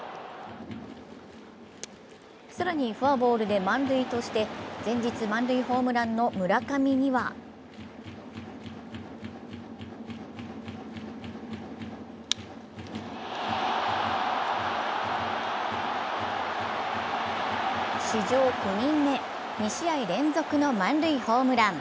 更にフォアボールで満塁として前日満塁ホームランの村上には史上９人目、２試合連続の満塁ホームラン。